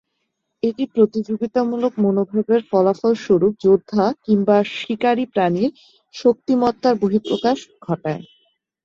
এটি প্রতিযোগিতামূলক মনোভাবের ফলাফলস্বরূপ যোদ্ধা কিংবা শিকারী প্রাণীর শক্তিমত্তার বহিঃপ্রকাশ ঘটায়।